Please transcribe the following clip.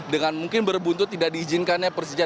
dengan mungkin berbuntu tidak diizinkannya persediaan